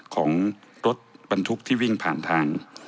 ของรถบรรทุกที่วิ่งผ่านทาง